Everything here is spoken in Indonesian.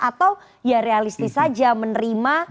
atau ya realistis saja menerima